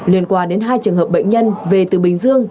liên quan đến hai trường hợp bệnh nhân về từ bình dương